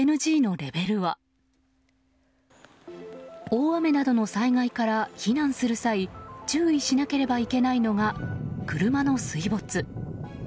大雨などの災害から避難する際注意しなければいけないのが車の水没。